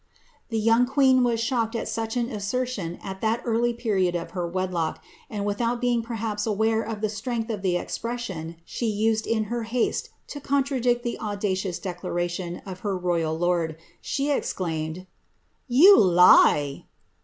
"' The young queen was shocked at sucli an assertion at that early period of her wedlock ; and without being perliaps aware of the strength of the expression she used in her haste to contradict the audacious declaration of her royal lord, she ex claimed, ^ You lie